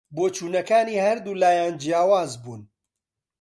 بۆچوونەکانی هەردوو لایان جیاواز بوون